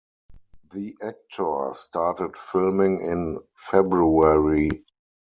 The actor started filming in February.